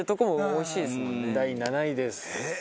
第７位です。